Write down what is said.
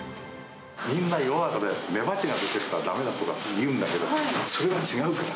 みんな世の中でメバチはだめとかって言うんだけど、それは違うから。